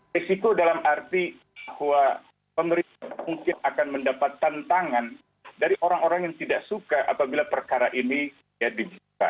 risiko dalam arti bahwa pemerintah mungkin akan mendapat tantangan dari orang orang yang tidak suka apabila perkara ini dibuka